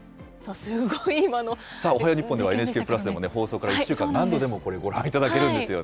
おはよう日本では、ＮＨＫプラスでも放送から１週間、何度でもこれ、ご覧いただけるんですよ